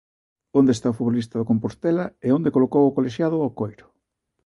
Onde está o futbolista do Compostela e onde colocou o colexiado o coiro?